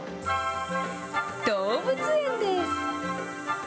動物園です。